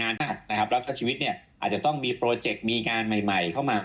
แล้วก็ชีวิตเนี่ยอาจจะต้องมีโปรเจกต์มีงานใหม่เข้ามา